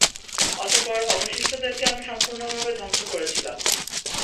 তারপর অবশিষ্টদেরকে আমি সম্পূর্ণভাবে ধ্বংস করেছিলাম।